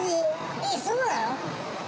え、そうなの？